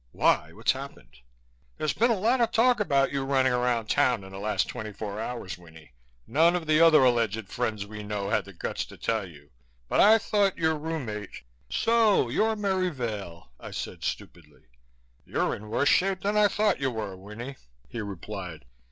"Why? What's happened?" "There's been a lot of talk about you running around town in the last twenty four hours, Winnie. None of the other alleged friends we know had the guts to tell you. But I thought your room mate " "So you're Merry Vail," I said stupidly. "You're in worse shape than I thought you were, Winnie," he replied.